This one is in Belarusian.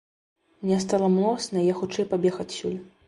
Мне стала млосна і я хутчэй пабег адсюль.